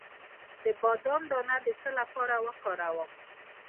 د بادام دانه د څه لپاره وکاروم؟